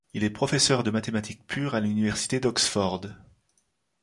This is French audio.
Il est professeur de mathématiques pures à l'université d'Oxford.